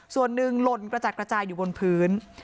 ส่วนหนึ่งหล่นกระจัดกระจายอยู่บนพื้น